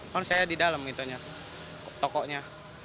kan saya di dalam gitu tokonya